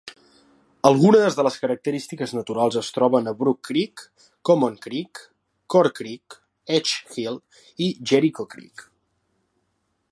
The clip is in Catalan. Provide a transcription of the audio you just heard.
Algunes de les característiques naturals es troben a Brock Creek, Common Creek, Core Creek, Edge Hill i Jericho Creek.